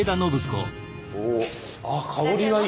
あ香りがいい。